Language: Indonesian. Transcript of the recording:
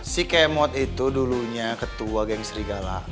si kemot itu dulunya ketua geng serigala